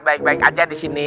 baik baik aja disini